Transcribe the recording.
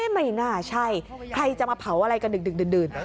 ไม่น่าใช่ใครจะมาเผาอะไรกันดึกดื่น